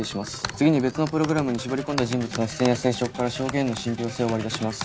次に別のプログラムに絞り込んだ人物の視線や声色から証言の信憑性を割り出します。